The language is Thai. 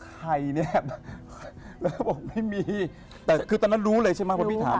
ใครเนี่ยแล้วก็บอกไม่มีแต่คือตอนนั้นรู้เลยใช่ไหมว่าพี่ถาม